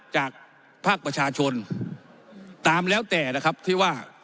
จากภาคประชาชนตามแล้วแต่นะครับที่ว่า